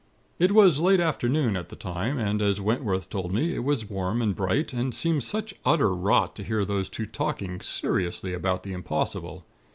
"It was late afternoon at the time, and as Wentworth told me, it was warm and bright, and it seemed such utter rot to hear those two talking seriously about the impossible.